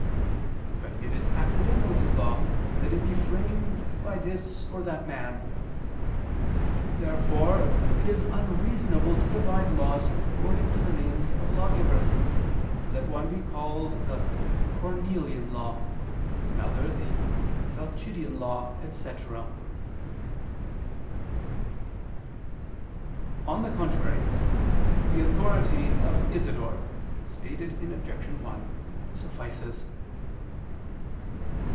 But it is accidental to law that it be framed by this or that man. Therefore it is unreasonable to divide laws according to the names of lawgivers, so that one be called the "Cornelian" law, another the "Falcidian" law, etc. On the contrary, The authority of Isidore (Obj. 1) suffices.